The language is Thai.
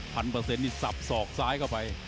พันเปอร์เซ็นต์สอบซอกซ้ายเข้าไป